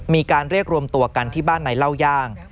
มีการเรียกรวมตัวกันที่บ้านในเล่าย่าง